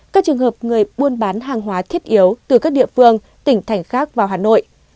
các trường hợp người buôn bán hàng hóa thiết yếu từ các địa phương tỉnh thành khác vào hà nội